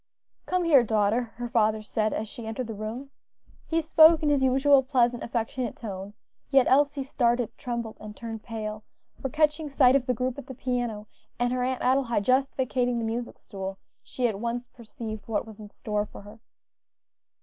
"Come here, daughter," her father said as she entered the room. He spoke in his usual pleasant, affectionate tone, yet Elsie started, trembled, and turned pale; for catching sight of the group at the piano, and her Aunt Adelaide just vacating the music stool, she at once perceived what was in store for her.